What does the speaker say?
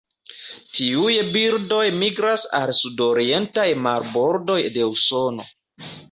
Tiuj birdoj migras al sudorientaj marbordoj de Usono.